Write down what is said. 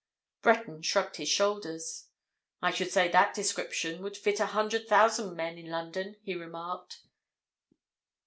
Breton shrugged his shoulders. "I should say that description would fit a hundred thousand men in London," he remarked.